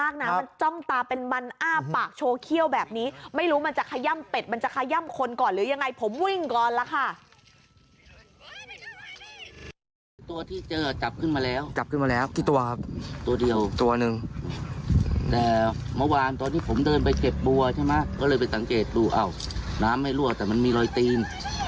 เก็บบัวใช่ไหมก็เลยไปสังเกตดูน้ำไม่รั่วแต่มันมีรอยตีน